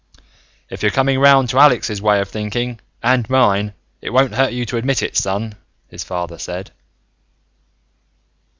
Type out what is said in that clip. "If you're coming around to Alex's way of thinking and mine it won't hurt you to admit it, son," his father said.